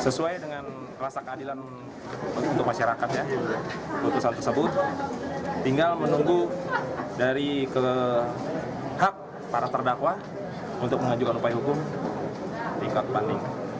sesuai dengan rasa keadilan untuk masyarakat ya putusan tersebut tinggal menunggu dari hak para terdakwa untuk mengajukan upaya hukum tingkat banding